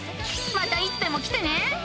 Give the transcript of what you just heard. またいつでも来てね。